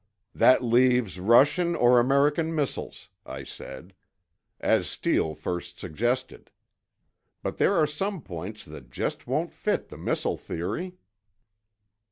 "That leaves Russian or American missiles," I said, "as Steele first suggested. But there are some points that just won't fit the missile theory."